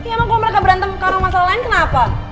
emang kalau mereka berantem karena masalah lain kenapa